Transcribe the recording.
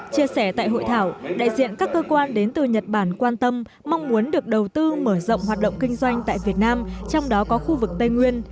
chia sẻ tại hội thảo đại diện các cơ quan đến từ nhật bản quan tâm mong muốn được đầu tư mở rộng hoạt động kinh doanh tại việt nam trong đó có khu vực tây nguyên